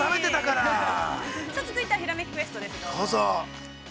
◆さあ、続いては「ひらめきクエスト」です、どうぞ。